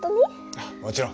ああもちろん。